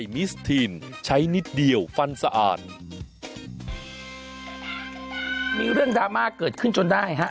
มีเรื่องดราม่าเกิดขึ้นจนได้ฮะ